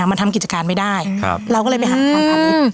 มันทำกิจการไม่ได้เราก็เลยไปหาทางพาณิชย์